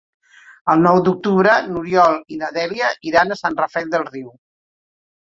El nou d'octubre n'Oriol i na Dèlia iran a Sant Rafel del Riu.